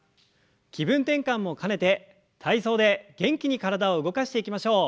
気分転換も兼ねて体操で元気に体を動かしていきましょう。